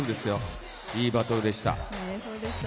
いいバトルでした。